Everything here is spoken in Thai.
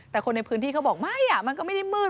แต่คนในพื้นที่เขาบอกไม่มันก็ไม่ได้มืด